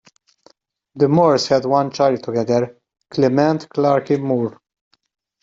The Moores had one child together, Clement Clarke Moore.